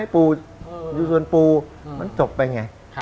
ปูอยู่ส่วนปูมันจบไปไง